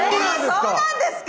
え⁉そうなんですか？